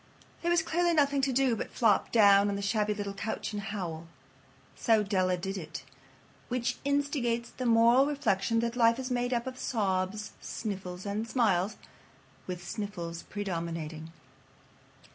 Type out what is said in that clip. There was clearly nothing to do but flop down on the shabby little couch and howl. So Della did it. Which instigates the moral reflection that life is made up of sobs, sniffles, and smiles, with sniffles predominating.